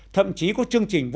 thậm chí có chương trình